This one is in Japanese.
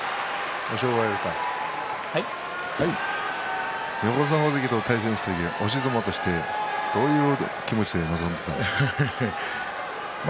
押尾川親方横綱、大関と対戦する時押し相撲としてどういう気持ちで臨んでいましたか？